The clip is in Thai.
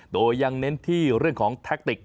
โดยยังเน้นที่เรื่องของแท็กติก